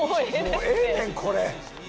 もうええねんこれ。